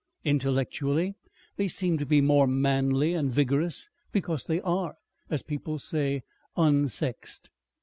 Intellectually they seem to be more manly and vigorous because they are, as people say, unsexed.